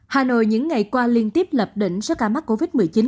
hà nội những ngày qua liên tiếp lập đỉnh số ca mắc covid một mươi chín